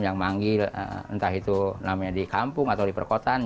yang memanggil entah itu di kampung atau di perkotaan